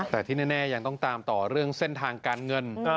แต่ที่แน่ยังต้องตามต่อเรื่องเส้นทางการเงิน